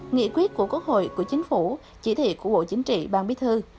nghị quyết của quốc hội của chính phủ chỉ thị của bộ chính trị ban bí thư